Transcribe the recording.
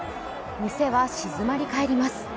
店は静まりかえります。